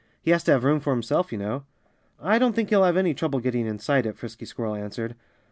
"He has to have room for himself, you know." "I don't think he'll have any trouble getting inside it," Frisky Squirrel answered.